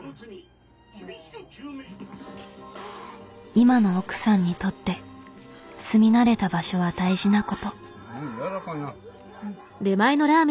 今の奥さんにとって住み慣れた場所は大事なこと。